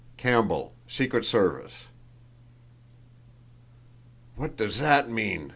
"CAMPBELL, Secret Service." "What does that mean?"